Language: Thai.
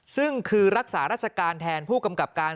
ซึ่งคือรักษาราชการแทนผู้กำกับการ